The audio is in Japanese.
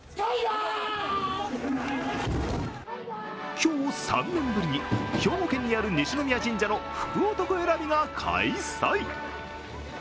今日、３年ぶりに兵庫県にある西宮神社の福男選びが開催。